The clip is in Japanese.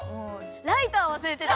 ライターわすれてた。